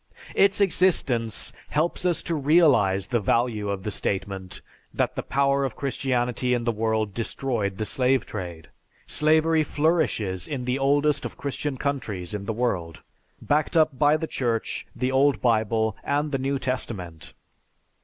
Its existence helps us to realize the value of the statement that the power of Christianity in the world destroyed the slave trade. Slavery flourishes in the oldest of Christian countries in the world, backed up by the Church, the Old Bible, and the New Testament.